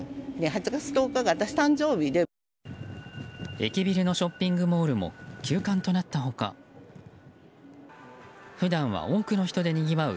駅ビルのショッピングモールも休館となった他普段は多くの人でにぎわう